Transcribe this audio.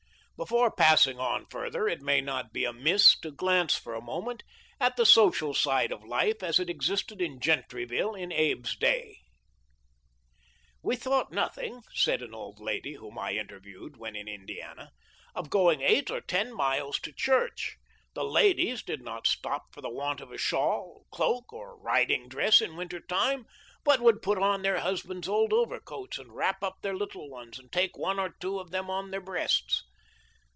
Before passing on further it may not be amiss to glance for a moment at the social side of life as it existed in Gentryville in Abe's day. " We thought nothing," said an old lady whom I interviewed when in Indiana, " of going eight or ten miles to church. The ladies did not stop for the want of a shawl, cloak, or riding dress in winter time, but 64 THE LIFE OF LINCOLN. would put on their husbands' old overcoats and wrap up their little ones and take one or two of them on their beasts.